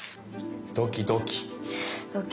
ドキドキ。